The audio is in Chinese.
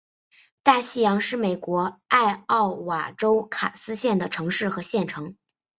大西洋是美国艾奥瓦州卡斯县的城市和县城。